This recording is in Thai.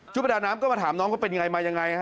ชุดประดาษน้ำก็มาถามน้องว่าเป็นอย่างไร